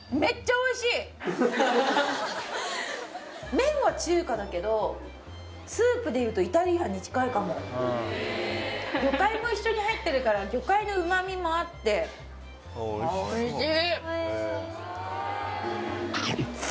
麺は中華だけどスープでいうとイタリアンに近いかも魚介も一緒に入ってるから魚介の旨味もあっておいしい！